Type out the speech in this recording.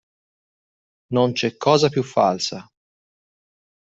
Non c'è cosa più falsa.